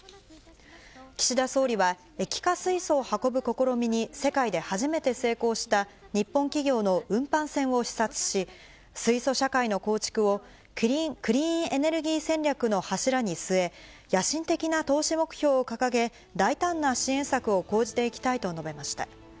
岸田総理は、液化水素を運ぶ試みに世界で初めて成功した、日本企業の運搬船を視察し、水素社会の構築を、クリーンエネルギー戦略の柱に据え、野心的な投資目標を掲げ、大胆な支援策を講じていきたいと述べました。